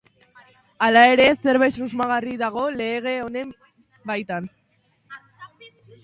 Hala ere, zerbait susmagarria dago lege honen baitan.